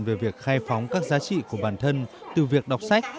về việc khai phóng các giá trị của bản thân từ việc đọc sách